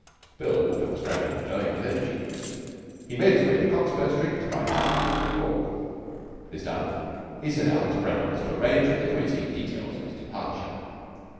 Bill walked up the Strand, glowing with energy. He made his way to Cockspur Street to buy his ticket for New York. This done, he set out to Brown's to arrange with the committee the details of his departure.